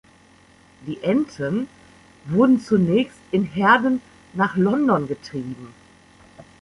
Die Enten wurden zunächst in Herden nach London getrieben.